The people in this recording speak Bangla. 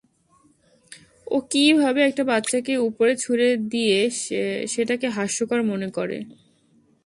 ও কীভাবে একটা বাচ্চাকে উপরে ছুঁড়ে দিয়ে সেটাকে হাস্যকর মনে করে?